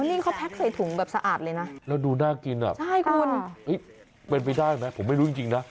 นี่เขาแพ็กใส่ถุงแบบสะอาดเลยนะแล้วดูน่ากินอ่ะใช่คุณเป็นไปได้ไหมผมไม่รู้จริงนะ